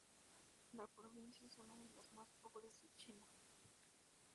La provincia es una de las más pobres de China.